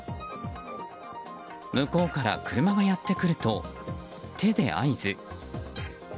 向こうから車がやってくると手で合図。